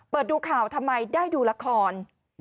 ดูข่าวทำไมได้ดูละคร